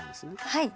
はい。